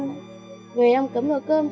hidden tiếp chuẩn promiseamat